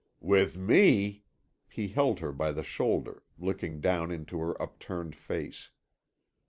"With me," he held her by the shoulder, looking down into her upturned face.